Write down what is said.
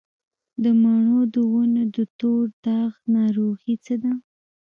د مڼو د ونو د تور داغ ناروغي څه ده؟